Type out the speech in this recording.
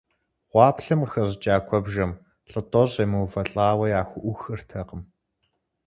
Гъуаплъэм къыхэщӀыкӀа куэбжэм лӀы тӀощӀ емыувэлӀауэ яхуӀухыртэкъым.